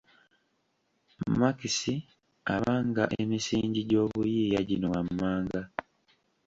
Malx abanga emisingi gy’obuyiiya gino wammanga: